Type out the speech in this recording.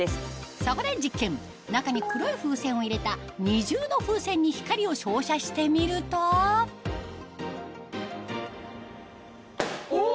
そこで実験中に黒い風船を入れた二重の風船に光を照射してみるとお！